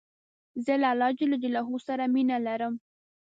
زه له الله ج سره مینه لرم.